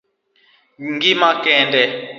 gima kende